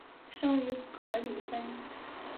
生于格里芬。